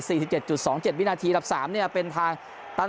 สิบเจ็ดจุดสองเจ็ดวินาทีดับสามเนี่ยเป็นทางตัน